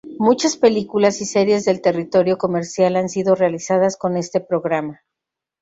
Muchas películas y series del territorio comercial han sido realizadas con este programa.